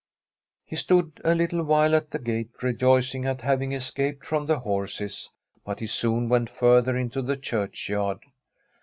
He stood a little while at the gate, rejoicing at having escaped from the horses, but he soon went further into the churchyard.